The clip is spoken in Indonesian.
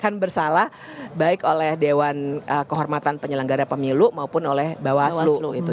yang bersalah baik oleh dewan kehormatan penyelenggara pemilu maupun oleh bawaslu